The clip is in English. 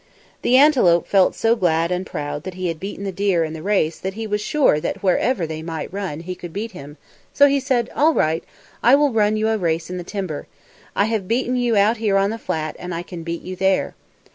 The antelope felt so glad and proud that he had beaten the deer in the race that he was sure that wherever they might run he could beat him, so he said, "All right, I will run you a race in the timber. I have beaten you out here on the flat and I can beat you there."